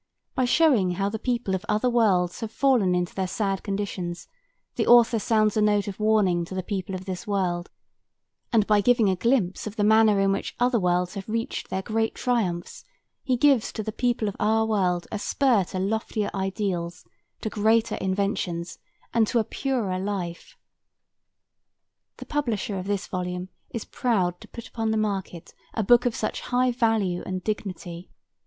By showing how the people of other worlds have fallen into their sad conditions the author sounds a note of warning to the people of this world, and by giving a glimpse of the manner in which other worlds have reached their great triumphs, he gives to the people of our world a spur to loftier ideals, to greater inventions, and to a purer life. The publisher of this volume is proud to put upon the market a book of such high value and dignity.